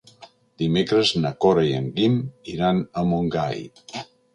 Dimecres na Cora i en Guim iran a Montgai.